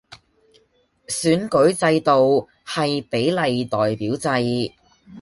選舉制度係比例代表制